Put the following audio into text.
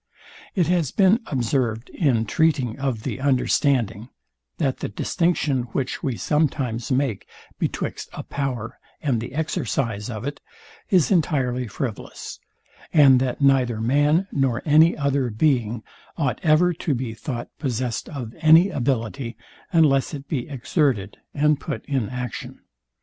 It has been observed in treating of the understanding, that the distinction, which we sometimes make betwixt a power and the exercise of it, is entirely frivolous, and that neither man nor any other being ought ever to be thought possest of any ability, unless it be exerted and put in action.